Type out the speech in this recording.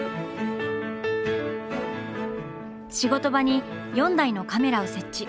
仕事場に４台のカメラを設置。